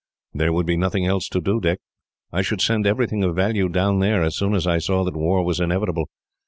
"There would be nothing else to do, Dick. I should send everything of value down there, as soon as I saw that war was inevitable.